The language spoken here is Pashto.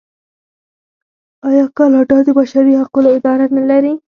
آیا کاناډا د بشري حقونو اداره نلري؟